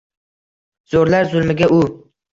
Zo’rlar zulmiga u